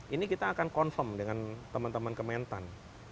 ini kita akan confirm dengan teman teman kementan